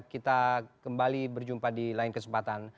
kita kembali berjumpa di lain kesempatan